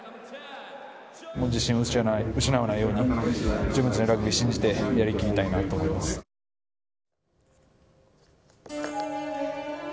自信を失わないように、自分たちのラグビー信じてやりきりたいなと思います。